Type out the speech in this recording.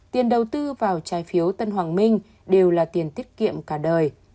tiền đầu tư vào trái phiếu tân hoàng minh đều là tiền tiết kiệm cả đời